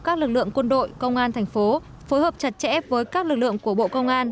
các lực lượng quân đội công an thành phố phối hợp chặt chẽ với các lực lượng của bộ công an